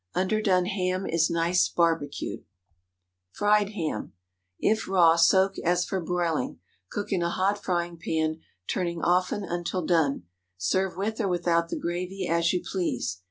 Underdone ham is nice barbecued. FRIED HAM. If raw, soak as for broiling. Cook in a hot frying pan turning often until done. Serve with or without the gravy, as you please.